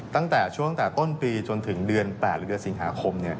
ตั้งแต่ช่วงแต่ต้นปีจนถึงเดือน๘หรือเดือนสิงหาคม